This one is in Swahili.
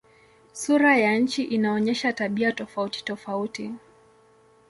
Sura ya nchi inaonyesha tabia tofautitofauti.